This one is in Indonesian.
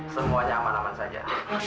semuanya aman aman saja